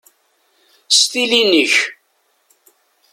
S tilin-ik!